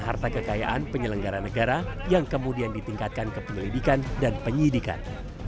harta kekayaan penyelenggara negara yang kemudian ditingkatkan ke penyelidikan dan penyidikan